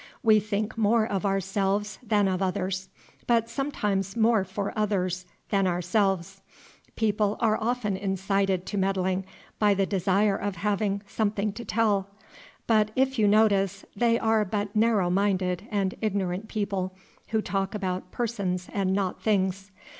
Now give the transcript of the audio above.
We think more of ourselves than of others, but sometimes more for others than ourselves. People are often incited to meddling by the desire of having "something to tell;" but, if you notice, they are but narrow minded and ignorant people, who talk about persons and not things.